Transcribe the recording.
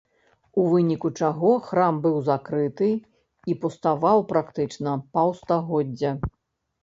У выніку чаго храм быў закрыты і пуставаў практычна паўстагоддзя.